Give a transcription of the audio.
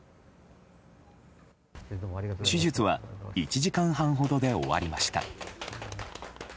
手術は１時間半ほどで終わりました。